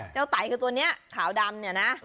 ไตคือตัวนี้ขาวดำเนี่ยนะ